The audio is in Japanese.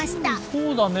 そうだね。